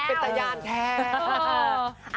เป็นตะยานแท้